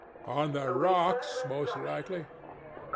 On the rocks, most likely.